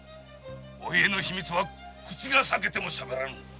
お家の秘密は口が裂けてもしゃべらぬ。